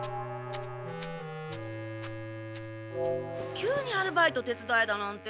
急にアルバイト手つだえだなんて。